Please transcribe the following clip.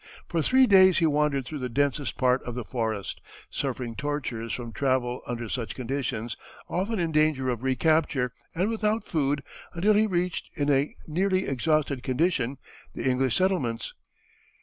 For three days he wandered through the densest part of the forest, suffering tortures from travel under such conditions, often in danger of recapture, and without food until he reached, in a nearly exhausted condition, the English settlements.